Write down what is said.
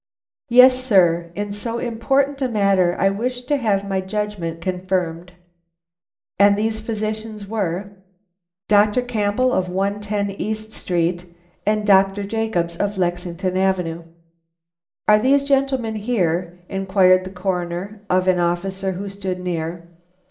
"Yes, sir; in so important a matter, I wished to have my judgment confirmed." "And these physicians were " "Dr. Campbell, of 110 East Street, and Dr. Jacobs, of Lexington Avenue." "Are these gentlemen here?" inquired the Coroner of an officer who stood near.